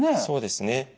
そうですね。